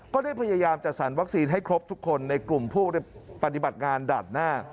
ก็ได้พยายามจัดสรรวัคซีนให้ครบทุกคนในกลุ่มผู้ปฏิบัติงานด่านหน้า